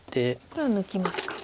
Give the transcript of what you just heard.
これは抜きますか。